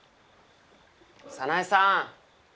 早苗さん！